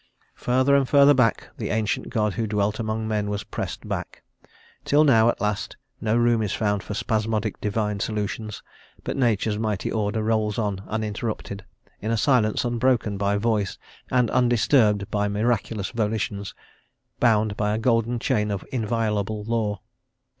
Further and further back, the ancient God who dwelt among men was pressed back, till now, at last, no room is found for spasmodic divine solutions, but Nature's mighty order rolls on uninterrupted, in a silence unbroken by voice and undisturbed by miraculous volitions, bound by a golden chain of inviolable law.